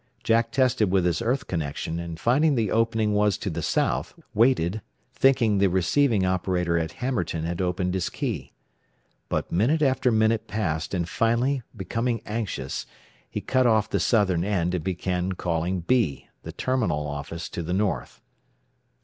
Jack tested with his earth connection, and finding the opening was to the south, waited, thinking the receiving operator at Hammerton had opened his key. But minute after minute passed, and finally becoming anxious, he cut off the southern end and began calling "B," the terminal office to the north.